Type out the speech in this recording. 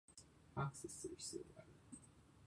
アクセスする必要がある